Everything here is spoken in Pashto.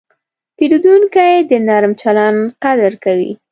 پیرودونکی د نرم چلند قدر کوي.